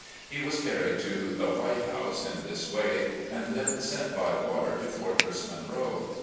He was carried to the "White House" in this way, and then sent by water to Fortress Monroe.